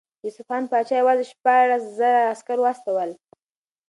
د اصفهان پاچا یوازې شپاړس زره عسکر واستول.